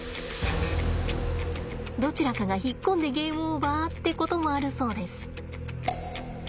どちらかが引っ込んでゲームオーバーってこともあるそうです。